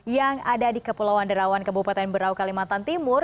yang ada di kepulauan derawan kabupaten berau kalimantan timur